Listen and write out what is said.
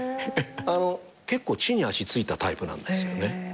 結構地に足ついたタイプなんですよね。